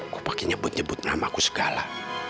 kupake nyebut nyebut nama ku segala